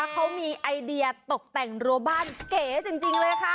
เขามีไอเดียตกแต่งรัวบ้านเก๋จริงเลยค่ะ